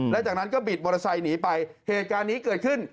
แล้วจากนั้นก็บิดมอเตอร์ไซค์หนีไปเหตุการณ์นี้เกิดขึ้น